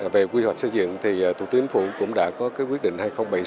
về quy hoạch xây dựng thì thủ tướng phụ cũng đã có cái quyết định